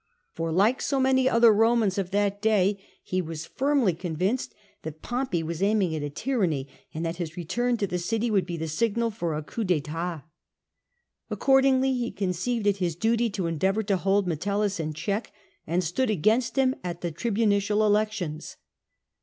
For, like so many other Romans of that day, he was firmly con vinced that Pompey was aiming at a tyranny, and that his return to the city would be the signal for a coujp d'itat Accordingly he conceived it his duty to endeavour to hold Metellus in check, and stood against him at the tribunicial elections.